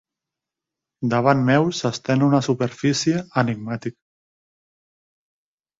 Davant meu s'estén una superfície enigmàtica.